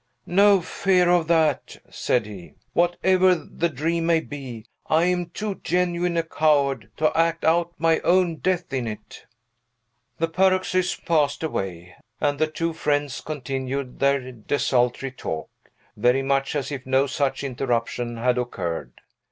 "No fear of that!" said he. "Whatever the dream may be, I am too genuine a coward to act out my own death in it." The paroxysm passed away, and the two friends continued their desultory talk, very much as if no such interruption had occurred.